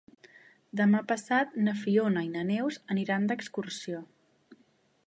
Demà passat na Fiona i na Neus aniran d'excursió.